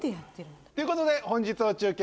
ということで本日の中継